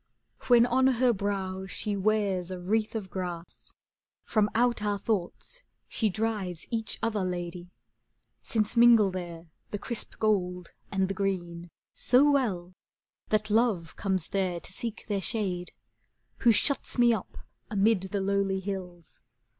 When on her brow she wears a wreath of grass. From out our thoughts she drives each other lady, Since mingle there the crisp gold and the green, '^ So well that Love comes there to seek their shade. Who shuts me up amid the lowly hills.